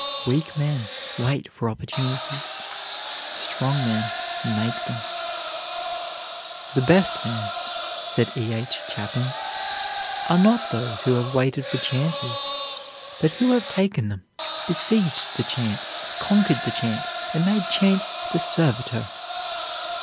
Weak men wait for opportunities, strong men make them. "The best men," says E. H. Chapin, "are not those who have waited for chances but who have taken them; besieged the chance; conquered the chance; and made chance the servitor."